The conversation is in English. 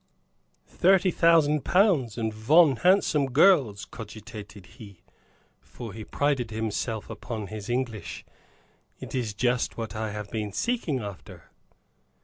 "Thirty thousand pounds and von handsome girls!" cogitated he, for he prided himself upon his English. "It is just what I have been seeking after."